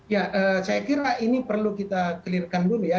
ya saya kira ini perlu kita clear kan dulu ya